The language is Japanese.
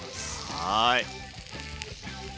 はい！